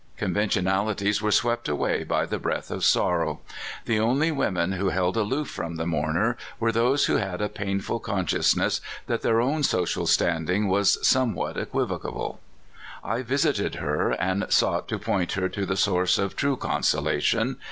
Con ventionalities were swept away by the breath of sor rows The only women who held aloof from the mourner were those who had a painful conscious ness that their ow^n social standing was somewhat equivocal. I visited her, and sought to point her to the Source of true consolation.